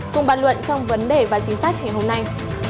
cùng bàn luận trong vấn đề và chính sách ngày hôm nay